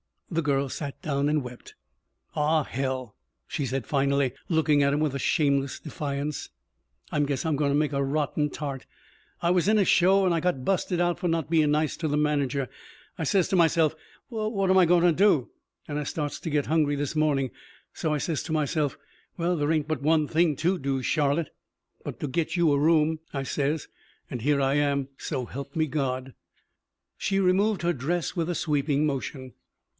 The girl sat down and wept. "Aw, hell," she said finally, looking at him with a shameless defiance, "I guess I'm gonna make a rotten tart. I was in a show, an' I got busted out for not bein' nice to the manager. I says to myself: 'Well, what am I gonna do?' An' I starts to get hungry this morning. So I says to myself: 'Well, there ain't but one thing to do, Charlotte, but to get you a room,' I says, an' here I am, so help me God." She removed her dress with a sweeping motion.